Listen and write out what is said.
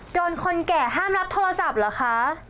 โดนคนแก่ห้ามรับโทรศัพท์ล่ะคะ